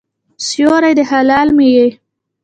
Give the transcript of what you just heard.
سیوری د هلال مې یې